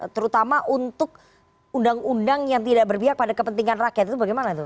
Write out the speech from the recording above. terutama untuk undang undang yang tidak berpihak pada kepentingan rakyat itu bagaimana tuh